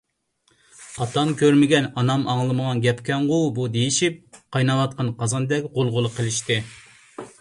ئاتام كۆرمىگەن، ئانام ئاڭلىمىغان گەپكەنغۇ بۇ دېيىشىپ، قايناۋاتقان قازاندەك غۇلغۇلا قىلىشتى.